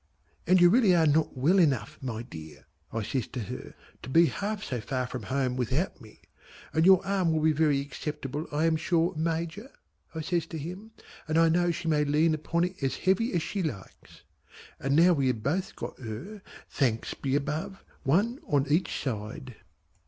And you really are not well enough my dear" I says to her "to be half so far from home without me. And your arm will be very acceptable I am sure Major" I says to him "and I know she may lean upon it as heavy as she likes." And now we had both got her thanks be Above! one on each side.